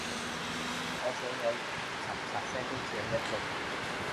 我所有塞擦音都只有一套